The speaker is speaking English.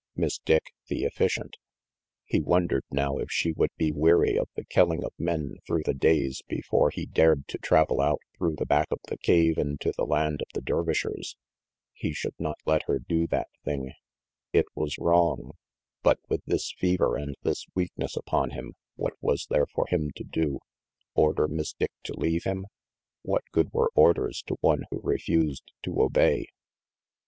Miss Dick, the efficient, he wondered now if she RANGY PETE 383 would weary of the killing of men through the days before he dared to travel out through the back of the cave into the land of the Dervishers. He should not let her do that thing. It was wrong, but with this fever and this weakness upon him, what was there for him to do? Order Miss Dick to leave him what good were orders to one who refused to obey?